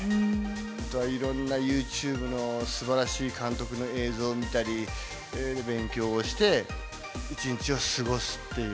あとはいろんなユーチューブのすばらしい監督の映像を見たり、勉強をして、一日を過ごすっていう。